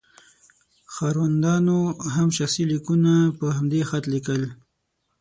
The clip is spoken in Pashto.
ښاروندانو هم شخصي لیکونه په همدې خط لیکل.